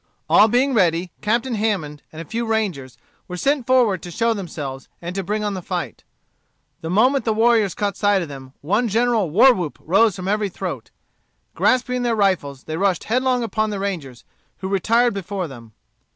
All being ready, Captain Hammond, and a few rangers, were sent forward to show themselves, and to bring on the fight. The moment the warriors caught sight of them, one general war whoop rose from every throat. Grasping their rifles, they rushed headlong upon the rangers, who retired before them.